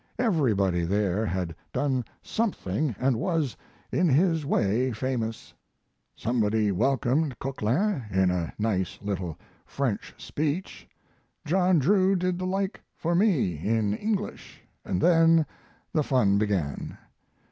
Everybody there had done something & was in his way famous. Somebody welcomed Coquelin in a nice little French speech, John Drew did the like for me in English, & then the fun began.